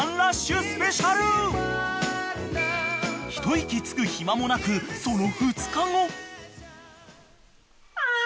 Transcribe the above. ［一息つく暇もなくその］